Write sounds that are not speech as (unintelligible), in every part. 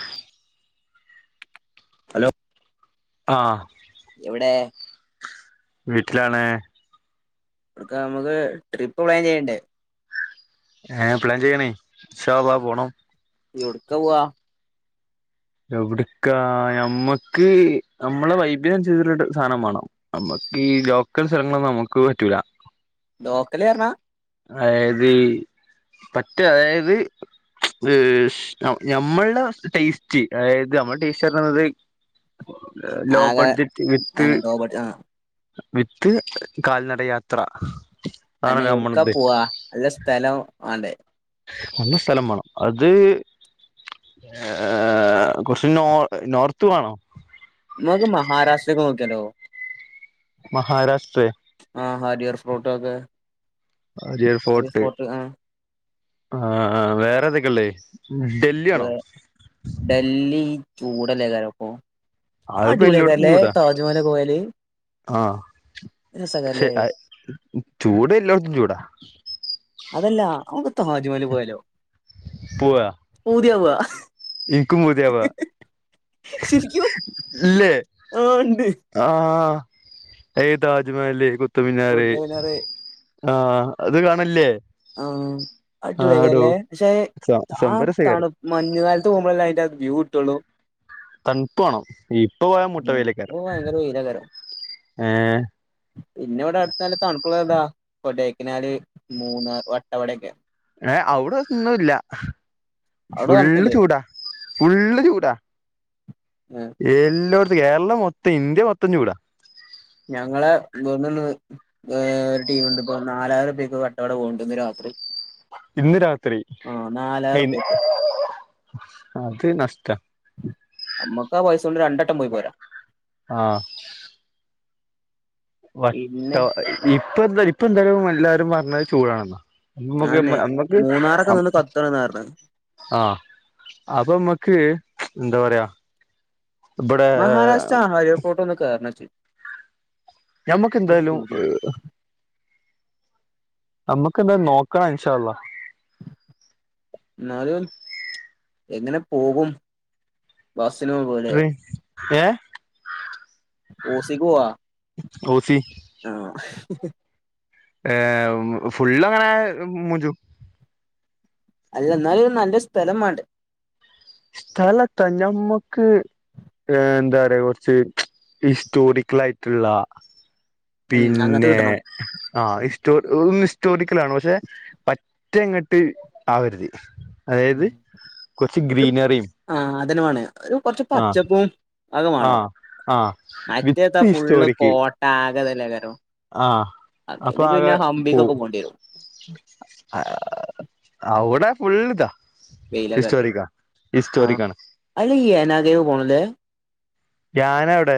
ആ ഹലോ ആ എവിടെ വീട്ടിലാണ് നമുക്ക് ക്ക് ട്രിപ്പ്പ്ലാൻ ചെയ്യണ്ടേ അ പ്ലാൻ ചെയ്യണേ (unintelligible) പോണം എവിടുക്ക പോവാ എവിടക്കാ നമ്മക്ക് നമ്മളെ വായ്ബിൻഅനുരാരിച്ച സാധനം വേണം നമ്മക്ക് ഈ ലോക്കൽ സ്ഥലങ്ങളൊന്നും നമ്മുക്ക് പറ്റൂല ലോക്കലണാ അതായത് മറ്റേ അതായത് ഞമ്മളുടെ ടേസ്റ്റ് അതായത് നമ്മുടെ ടേസ്റ്റ് പറയുന്നത് ലോ ആകെ ബഡ്ജറ്റ് വിത്ത് ലോബഡ്ജ ആ വിത്ത് കാൽനട യാത്ര അന്ന് അന്നെ നമ്മള് എവിടുക്കാ ഉദേശി പോവാ നല്ല സ്ഥലം ആണ്ടേ നല്ല സ്ഥലം വേണം അത് ഏ കുറച്ച് നോ നോർത്ത് വേണോ നമുക്ക് മഹാരാഷ്ട്രയൊക്കെ നോക്കിയാലോ മഹാരാഷ്ട്ര പ്രോട്ടോക് ആ ഫോർട്ട് ആ വേറെയന്തൊക്കെയാഉള്ളെ വ ഡൽഹി ചൂടല്ലേ കാലംപ്പൊ അത്പ്പോ എല്ലായിടത്തും ചൂടാ പോയാല് ആഹ പക്ഷെ രസക്കാരല്ലേ ചൂട് എല്ലായിടത്തും ചൂടാ അതല്ല അക്ക്ത്ത ഹാജിമാല് പോയാലോ പൂതിയ വ് കുമുദേവ ല്ലേ ആഹ ഉണ്ട് ആഹ താജ്മലേ കു തമിഴ്നാട് കുത്തബ്മിനാർ ആഹ് അത് കാണല്ലേ ആഹ് ആടോ അടിപൊളിയ്ക്കലെ പക്ഷെ ആഹ് തണു സംഭരസേഖരം മഞ്ഞുകാലത്ത് പോകുമ്പല്ലെ അയ്ന്റെ വ്യൂ തുളു തൺപ്പ് വാണം. ഇപ്പൊ പോയാ ഇപ്പൊ മുട്ടവേയ്ലെക്കാരിം. ഭയങ്കര വെയിലാകാരം ഏഹ് പിന്നെ ഇവടെ അടുത്ത ന്നല്ലെ തൺപ്പുള്ളത് എന്താ ഇപ്പൊകൊടേകനാല്, മൂന്ന്ർ, വട്ടവടൊക്കെ. ഏഹ് ഔടൊന്നുല്ല. അവിടെ തണുപ്പില്ലേ ഫുള്ള്ചൂടാ, ഫുള്ള്ചൂടാ ഏഹ് എല്ലോട് കേരളംമൊത്തം ഇന്ത്യമൊത്തം ചൂടാ. ഞങ്ങളെ ഇബെന്ന്ണ്ട് ഏഹ് ഒര് ടീമ്ണ്ട് ഇപ്പൊന്നാലായിറുപ്യ ക്ക് വട്ടവട പോക്ണ്ട് ഇന്ന് രാത്രി. ഇന്ന് രാത്രി ആഹ് നാലായിരം റുപ്യക്ക് അത് നഷ്ട്ടാ നമ്മക്ക് ആ പൈസ കൊണ്ട് രണ്ടട്ടം പോയി പോരാ ആഹ് വട്ട പിന്നെ ഇപ്പെന്താ, ഇപ്പെന്താണ് വല്ല ത് പറഞ്ഞത് ചൂടാണെന്ന. ഞമ്മക്ക്, അതന്നെ അമ്മക്ക് മൂന്നാറൊക്കെ നിന്ന് കത്തണംന്നാ പറഞ്ഞത് ആഹ് അപ്പൊമ്മക്ക് എന്താപറയാ? മഹാരാഷ്ട്ര അഹാരിയ ഫോട്ടോ ഒന്ന് കേറണംഇച്ച്. ഞമ്മക്കെന്തായാലും പൂതിണ്ട് ഞമ്മക്കെന്താ നോക്കാ ഇൻശാ അല്ലാഹ്. ഇന്നാലും എങ്ങനെപോകും? ബസിന് പോണോലെ ഏഹ് ഓസിക്ക്പോവാ. ഓസി ആഹ് (unintelligible) ഏഹ് ഫുള്ള് അങ്ങനെ മൂജും. അല്ല ഇന്നാലും ന്നല്ലെസ്ഥലംമാണ്ടേ? സ്ഥലെത്താ ഞമ്മക്ക് ഹെ എന്താ പറിയാ കൊർച്ച് ഹിസ്റ്റോറിക്കൽ ആയിട്ട്ള്ള ഉം അങ്ങനത്തെ പിന്നെ കിട്ടണം ആഹ് ഇസ്റ്റോ ഹ് ഇസ് ഹിസ്റ്റോറിക്കലാവണം പശെ പറ്റങ്ങട്ട് ആവരുത്. അതായത് കൊച്ച് ഗ്രീനെറിം അദനവാണ് ഒരു കുറച്ച് പച്ചപ്പും അതൊക്കെ വേണം ആഹ് ആഹ് വിത്ത് ഈ സ്റ്റോറിക്ക് അത് അല്ല കരം ആഹ് അപ്പൊ ആകെ ഹംപിക്കൊക്കെ പോവും പോണ്ടി വരും അവിടെ ഉള്ളതാ വെയിലകാരം ആഹ് ഹിസ്റ്റോറിക്കാണ് അല്ല ഈ ഏനാഗേവ് പോണല്ലേ ധ്യനാവിടെ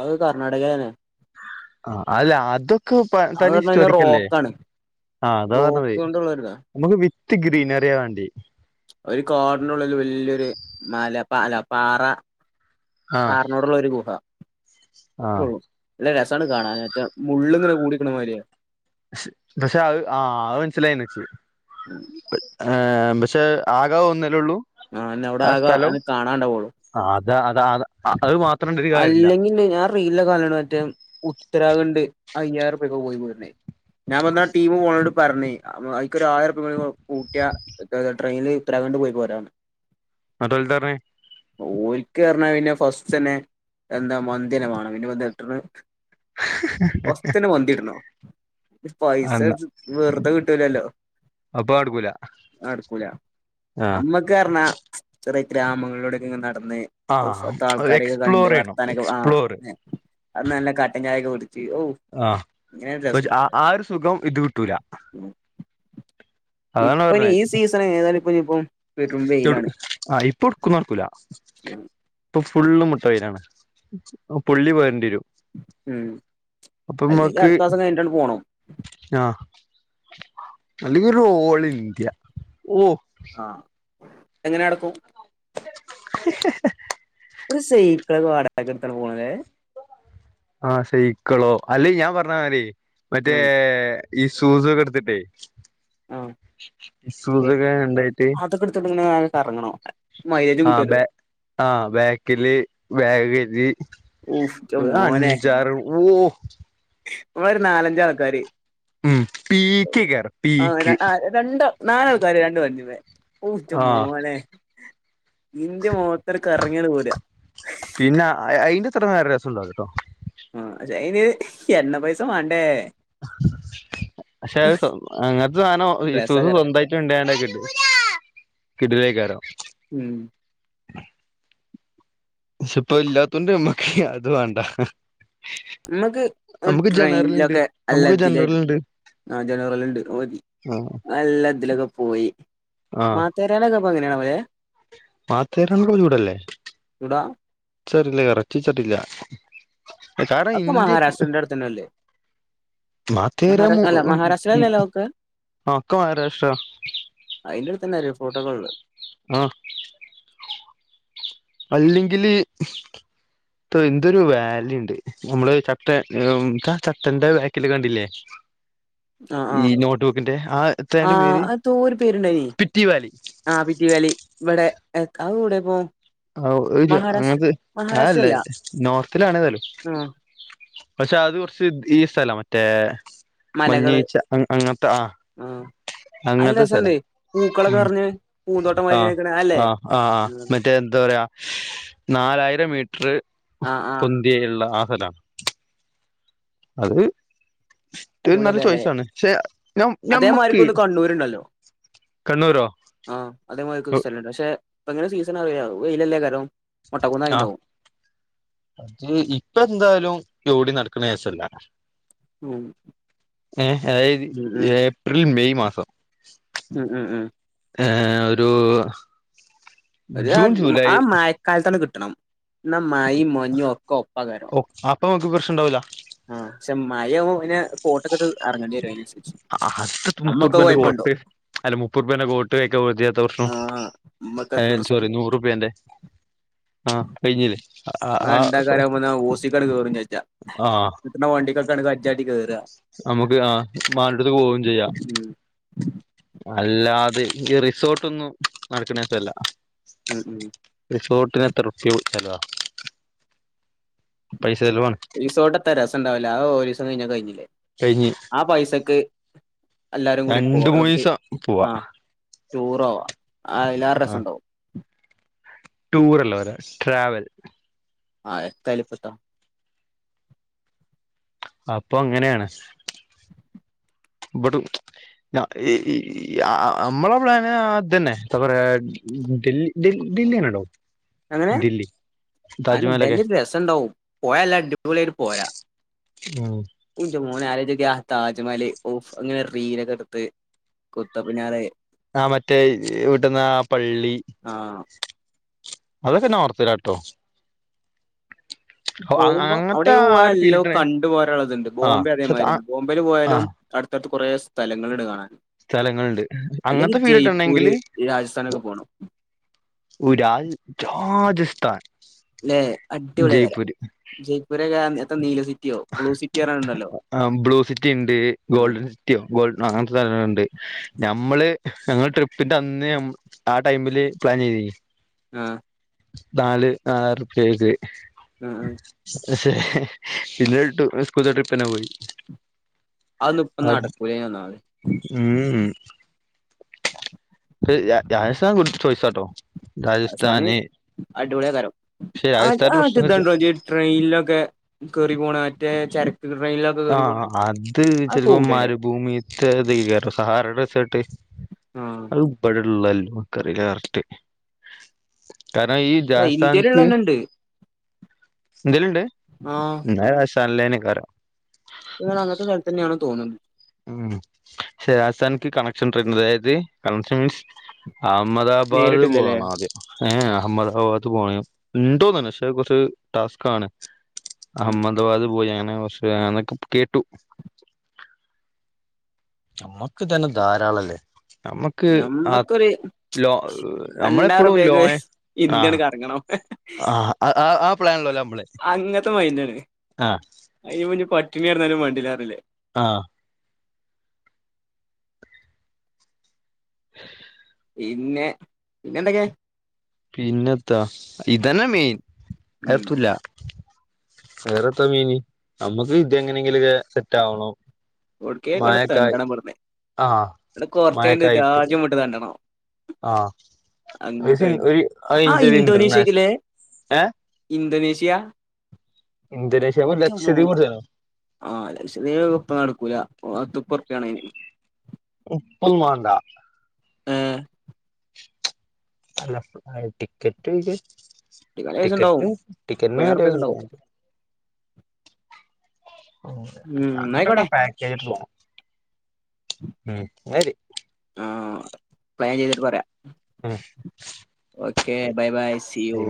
അത് കർണാടകയിലാണ് ആ അല്ല അതൊക്കെ അത് തനി പറഞ്ഞ് കഴിഞ്ഞാ ഹിസ്റ്റോറിക്കല്ലേ റോക്കാണ് ആ അതാ റോക്ക് പറഞ്ഞത് കൊണ്ടുള്ളൊരിതാ നമുക്ക് ത്ത് ഗ്രീനറിയ വാണ്ടി ഒരു കാടിനുള്ളിൽ വല്യൊരു മലല്ല പാറ ആ ആറനോടുള്ള ഒരു ഗുഹ ആ ല്ല രസ ത്താണ് കാണാനെറ്റം പക്ഷെ ആഹ് മനസിലായില്ലച്ച് ഉം ഏ പക്ഷേ ആകാ ഒന്നല്ലേ ഉള്ളൂ ആഹ് അതന്നെ അവിടെ ആക അന്നെ കാണാണ്ടാവള്ളു അത അത അത് മാത്രം ഇണ്ടൊരു കാര്യല്ല അല്ലെങ്കിൽ ഞാൻ റീല് കാണല്ണ്ട് മറ്റേ ഉത്തരാഖണ്ഡ് അയ്യായിർപയക്ക് പോയിരുന്നേ ഞാൻ പറഞ്ഞു ആ ടീം പോക്ണോണ്ട്പറഞ്ഞ് അയ്ക്ക് ഒരായിരംഉർപ്യകൂടി കൂട്ടിയ ട്രെയിനിൽ ഉത്തരാഖണ്ഡ് പോയി പോരാന്ന് എന്നിട്ടോരെന്താ പറഞ്ഞ് ഓരിക്കാറഞ്ഞാ പിന്നെ ഫസ്റ്റ് തന്നെ എന്താ മന്തിന്നെ വാണം പിന്നെ (unintelligible) ഒസ്ത്തിന മന്തിടണം പൈസ എന്നാ വെറുതെ കി കിട്ടുലല്ലോ അപ്പൊ നടക്കൂല നടുക്കൂല ആ നമ്മക്ക്റഞ്ഞാ ചെറിയ ഗ്രാമങ്ങളിലൂടൊക്കെ ങ്ങനെ നട തന്നേ ആ ത്താൾക്കാരയ് കണ്ട് എക്സ്പ്ലോർ ചെയ്യണം വർത്തൊനക്കെ ആ എക്സ്പ്ലോർ നല്ല കട്ടൻചായ ഐകൂട്ട് ആഹ് പച് ആ ആ ഒരു സുഖം ഇത് കിട്ടൂല അതാണ് പറഞ്ഞത് പ്പഞ്ഞിപ്പം എവിട് ആഹ് ഇപ്പൊ എടുക്കും നടക്കൂല ഇപ്പൊ ഫുള്ള് മുട്ടവെയിലാണ് പുള്ളി പോരണ്ട്യരും ഉം അല്ലങ്കി നമ്മക്ക് അടുത്താസം കഴിഞ്ഞിട്ടാണ്ട് പോണം ആല്ലങ്കി ഓരോളിന്ത്യാ ഓ ആ എങ്ങനെനടക്കും ഒരു സൈക്കൾ വാടകക്ക്ട്ത്ത്ക്കാണ്ട് പോണല്ലേ ആ സൈക്കളോ അല്ലേ ഞാൻ പറഞ്ഞ മാരി മറ്റേ ഉം ഈ ഷൂസൊക്കെ എടുത്തിട്ടേ ആഹ് ഏഹ് സൂസൊക്കെ ഉണ്ടായിട്ട് അതൊക്കെ എടുത്തിട്ട് ഇങ്ങനെ ആകെ കറങ്ങണം മൈലേജും ആഹ് കിട്ടുവല്ലോ ബേ ആ ബാക്കില് ബാഗ് രീ ഊഫ് ന്റെ ഒരു അഞ്ചാറ് ഓ വെറും നാലഞ്ചാൾക്കാര് ഉം പീക്ക് കേർ ആഹ് ര പീക്ക് ആഹ് രണ്ട് നാലാൾക്കാര് രണ്ട് വണ്ടീമേ ഊറ്റ് ആ മോനെ ഇന്റെ മൊത്തർ കറങ്ങിയങ്ങ് പോര ഇത്ര രസണ്ടാവൂലട്ടോ ആയിന് എണ്ണ പൈസ മാണ്ടേ പക്ഷെ അങ്ങനത്തെ സാധനം ഇഫൂക്ക് രസാകാരം സ്വന്തായിട്ട് ഉണ്ടായണ്ടക്കട്ട് കിടിലേക്കാരം ഉം (unintelligible) ഇപ്പോ ഇല്ലാത്തോണ്ട് നമ്മക്ക് അത് വേണ്ട നമുക്ക് നമുക്ക് ജനറല്ണ്ട് ട്രെയിനിലൊക്കെ നമുക്ക് എല്ലാത്തിലായിട്ട് ജനറല്ണ്ട് ജനറലിണ്ട് ഔ ആ മതിഎല്ലാത്തിലൊക്കെ പോയി മതു രെലൊക്കെ (unintelligible) പാതരണ ചൂടല്ലേ ഇവിടാ ചരില്ല ഇറച്ചി ചട്ടല്ല അഒക്കെ മഹാരാഷ്ട്രന്റെ അടുത്തന്നല്ലേ മതിരാ മുഅ് ഒക്കെ ആ ഒക്കെ മഹാരാഷ്ട്ര അതിന്റെ അടുത്തന്നെ ഒരു ഫോട്ടോകള് ആഹ് ഇല്ലെങ്കില് എന്തൊരു വാല്യുണ്ട് നമ്മള് ചട്ട ഉം ചട്ടന്റെ വാക്കില് കണ്ടില്ലേ ആഹ ഈ ആഹ നോട്ട് ബുക്കിന്റെ ആ ആ എത്തേന്റെ പേര് അ ന്തോര് പേരുണ്ടായിന് സ്പിറ്റി വാലി ആ പിറ്റി വാലി ഇവിടെ (unintelligible) മഹാരാഷ്ട്ര അങ്ങനത്തെ ആ അല്ലേ മഹാരാഷ്ട്രയല്ല നോർത്തിലാണല്ലേ ആ പക്ഷെ അത് കുറച്ച് ബീ സ്താല മറ്റേ മലകള് മഞ്ഞീഴ്ച്ച അം അങ്ങട്ട് ആ നല്ല അങ്ങനത്തെ രസണ്ട് സ്ഥലം പൂക്കളൊക്കെ ഉം നിറഞ്ഞ് പൂന്തോട്ടം മാതിരി ആഹ് ഇങ്ങനെ നിക്കണ അല്ലേ ആഹ് ആഹ് മറ്റേ എന്താ പറയാ നാല ആയിര മീ രു ആ ആ പൊന്തിയയുള്ള ആഹ് അത അത് ഒരു നല്ല അടിപൊളിയൊക്കല്ലേ ചോയ്സാണ് പക്ഷെ അതേമാര്ക്ക് ഞമ്മക്ക് ഒന്ന് കണ്ണൂരുണ്ടല്ലോ കണ്ണൂരോ ആ അതേമാര്ക്ക് സ്ഥലണ്ട് പക്ഷെ അപ്പ എങ്ങനെ സീസണങ്ങനെ വെയിലല്ലേക്കാരം ആഹ മൊട്ടക്കുന്നായിണ്ടാവും അത് ഇപ്പോ എന്തായാലും ജോടി നട (unintelligible) ഉം ഏ എതായത് ഉം ഉം ഏപ്രിൽ മെയ് മാസം ഉം ഉം ഉം അ ആ ഒരു ഒര് ജൂൺ ജൂലൈ ആ മയക്കാലത്താണ്ട് കിട്ടും ട്ടണം ണം മയിം മഞ്ഞും ഒക്കൊപ്പേക്കാരം ഇപ്പൊ നമുക്ക് പ്രശ്നം ഉണ്ടാവൂല ആ ക്ഷെ മയാവുമ്പോ പിന്നെ കോട്ടൊക്കെട്ട് അറങ്ങേണ്ടി വരും അയിനനുസ് അ അ അത്പ്പൊ മുപ്പത് ഉർപ്യന്റെ കോട്ട് അല്ല മുപ്പർപ്യന്റെ കോട്ട് കൈക്കെ (unintelligible) പ്രശ്‌നം ആഹ് നമ്മക്ക് ഏ എത്ര റിസ്ക് സോറി നൂറുർപ്യേന്റെ ആ (unintelligible) ഇന്നാ ആ രണ്ടാക്കാരാവുമ്പൊന്നാ ഓസിക്കാണ്ട് കേറും ചെജ്ജ ആ ഇന്ന വണ്ടികൊക്കണ്ട് കജ്ജാട്ടി കേറ നമുക്ക് ആ വാണ്ടട്ത്ത്ക്ക് പോവും ചെയ്യാ ഉം അല്ലാതെ ഈ റിസോർട്ടൊന്നും നടക്ക്ണേപ്പല്ല ഉം ഉം റിസോ പിന്നെത്തറുപ്പ്യ ചെലവാ പൈസ ചെലവാണ് റിസോട്ട് എത്ത രസം ഉണ്ടാവൂല അത് ഒരീസ് അഅ് കയിഞ്ഞ കയ്ഞ്ഞിലേ കഴിഞ്ഞ് ആ പൈസക്ക് എല്ലാരും രണ്ട് മുന്നീസം പോവാ ട്ടൂറോവ അഅ് അയ്ലേറെസണ്ടകും ട്ടൂറല്ല പറിയാ ട്രാവൽ ആ എത്തായാലുപ്പത്താ അപ്പൊ അങ്ങനെണ് ബട് ഞ ഇ അ അമ്മളെ പ്ലാന് അതന്നെ ത്തപറയാ ഡിൽ ഡിൽ ടിൽനെങ്ങനെ ണ്ടാവും അങ്ങനെ അനെ ഡൽഹി യന്ത് രസണ്ടാവും പോയല്ല ടിപൊളിയായിട്ട് പോര ഉം ഊൻ്റെമോനെ ആലോചോക്യാ താജ്മഹല് ഓഫ് ഇങ്ങനെ റീലൊക്കെട്ത്ത് കുത്തബ്‌മിനാറ് ആ മറ്റേ വിട്ടന്നാ ആ പള്ളി ആഹ് അതൊക്കെ നോർത്തിലാട്ടോ പോവുമ്പം അങ്ങനത്തെ അവിടേക്ക് ആ പോയ ഒരു ഫീൽ എല്ലോം കിട്ടണേ കണ്ടു പോരാള്ളത്ണ്ട് ആ ബോംബെ അതേമായിര്യ ന്നെ ബോംബെല് ആ പോയാലും അടുത്തട്ത്ത് കുറേ സ്ഥലങ്ങള്ണ്ട് കാണാൻ സ്ഥലങ്ങൾണ്ട് അല്ലെങ്കി അങ്ങൻത്തെ ജയ്പൂര് ഫീലിട്ടണെങ്കില് രാജസ്ഥാനൊക്കെ പോണം ഒരാൾ രാജസ്ഥാൻ ല്ലെ അടിപൊളിയേക്കാരം ജയ്പൂര് ജയ്പൂരൊക്കെ (unintelligible) അനീലതി ബ്ലൂ സിറ്റി ഉണ്ട് ആഹ് ഗോൾഡൻ സിറ്റിയോ ഗോൾഡനോ അങ്ങനത്തെ സ്ഥലങ്ങളുണ്ട് നമ്മള് ഞങ്ങള്ൾ ട്രിപ്പിന്റെ അന്ന് ആ ടൈമില് പ്ലാൻ ചെയ്ത ആഹ നാല് ആറ് പേര് ആഹ് ഹെ ഹെ പിന്നട്ട് സ്കൂളത്തെ ട്രിപ്പ് തന്നെ പോയി അതിന്നും അത് ഇപ്പനടക്കൂലയിന് ഒന്നാമത് സ ചോയ്സാട്ടോ അവസാന രാജസ്ഥാന് അടിപൊളിയന്നേരം പക്ഷെ രാജസ്ഥാന്റെ പ്രശ്നംന്ന് വെച്ചാ ആറ്റതണ്ടോ ജ്ജ് ട്രെയിനിലൊക്കെ കേറി പോണ റ്റെ ചരി (inaudible) ആഹ അത് ചിലപ്പോ കൂടെ മരുഭൂമിത്തെതേയ്ക്കാരം സഹാറ ഡീസേർട്ട് ആഹ് ള്ളല്ലോ കറിയില്ല കറക്ട് കാരണം ഈ അല്ല ജാസ്ഥതാനക്ക് ഇന്ത്യയിലുള്ളന്നെ ഇണ്ട് എന്തെലുണ്ട് ആഹ് എന്താ കാശ്, തണലീനെകാരം ഇങ്ങനെ അങ്ങനത്തെ സ്ഥലത്ത് തന്നെയാണ് തോന്നുന്നത് ഉം ശേ രാസാക്ക് കണക്ഷൻ രണ്ട്തായത് കണക്ഷൻ മീൻസ് അഹമ്മദാബാദ് നേരിട്ടില്ലല്ലേ പോണം ആദ്യം ഏഹ അഹമ്മദാബാദ് പോണ ഉണ്ടോന്ണ് പക്ഷേ കുറച്ച് ടാസ്ക്കാണ് ഉം അഹമ്മദാബാദ് പോയേ അ കുറച്ച് എന്നൊക്കെ കേട്ടു നമ്മക്ക് തന്നെ ധാരാളംല്ലേ നമ്മുക്ക് ആ ഞമ്മക്കൊരു ലോ നമ്മളെപ്പോഴും രണ്ടായിറുപ്യക്ക് ലോയ ആഹ ഇന്ത്യയാണ് കറങ്ങണം ആഹ ആ ആ ആ പ്ലാനോല്ലോളോ അങ്ങനത്തെ മൈൻഡ് ആണ് അതിന് മ പ ട്ടിണി കിടന്നാലും വെണ്ടീല പറഞ്ഞില്ലേ ആഹ് (inaudible) പിന്നെ പിന്നെ എന്തൊക്കെ പിന്നെത്താ ഇതന്നെ മെയിൻ ഉം ആഎത്തുല്ലാ വേറെത്താ ഇനി നമ്മുക്ക് ഇതെങ്ങനെയെങ്കിലും ഒക്കെ സെറ്റ് ആവണം ഓടിക്കേകണം മഴക്കായി തെണ്ടണം ഇവിടെ ആഹ് നിന്ന് കൊറച്ചഴിഞ്ഞിട്ട് രാജ്യം വിട്ട് തെണ്ടണം ആഹ് വിസ അങ്ങനത്തെ മൈൻഡ് ഒരു ആ ഒരു ഇൻ്റർനാഷണൽ ഇന്തോനേഷ്യക്കില്ലേ ഏ റ്റ്യ ഇന്തോനേഷ്യ ലക്ഷദ്വീപ് (unintelligible) എടുത്തോ ആ ലക്ഷദ്വീപ് ഒക്കെ ഇപ്പൊ നടക്കും ഓ പത്തുപോർപ്യണയിൻ ഇപ്പം മാണ്ടാ ഏഹ് അല്ല ടിക്കറ്റ് എടുക്കാൻ പൈസണ്ടാവും ടിക്കറ്റും പതിനായിറുപ്പ്യൊക്കെണ്ടാവും ടിക്കറ്റിനും (unintelligible) ഓ ഉം അങ്ങട്ടൊക്കെ ന്നായിക്കോട്ടെ പാക്കേജ് ഇട്ത്ത് പോ ഉം ന്നാ ശരി ആ പ്ലാൻ ചെയ്തിട്ട് പറയാം okay bye bye see you ഉം